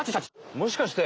もしかして？